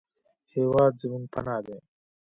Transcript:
هېواد زموږ پناه دی